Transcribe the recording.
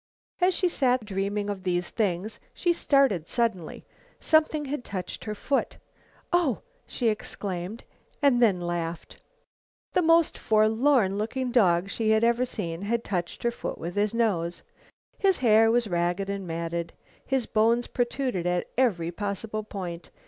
As she sat dreaming of these things, she started suddenly. Something had touched her foot. "Oh;" she exclaimed, then laughed. The most forlorn looking dog she had ever seen had touched her foot with his nose. His hair was ragged and matted. His bones protruded at every possible point.